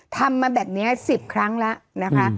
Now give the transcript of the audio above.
ทำมาแบบนี้๑๐ครั้งแล้วนะคะ